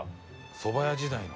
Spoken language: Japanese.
そば屋時代の。